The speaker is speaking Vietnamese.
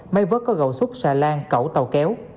máy vớt có gậu súc xà lan cẩu tàu kéo